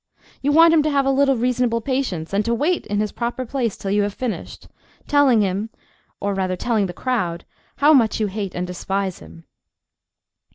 You want him to have a little reasonable patience, and to wait in his proper place till you have finished, telling him, or rather telling the crowd, how much you hate and despise him.